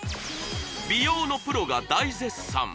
美容のプロが大絶賛！